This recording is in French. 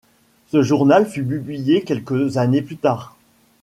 Ce journal fut publié quelques années plus tard.